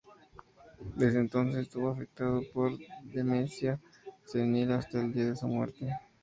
Desde entonces estuvo afectado por demencia senil hasta el día de su muerte.